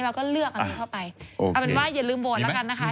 เราก็เลือกอะไรเข้าไป